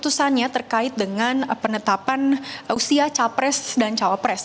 keputusannya terkait dengan penetapan usia capres dan cawapres